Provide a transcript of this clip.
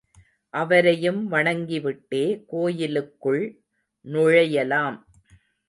அவரையும் வணங்கிவிட்டே கோயிலுக்குள் நுழையலாம்.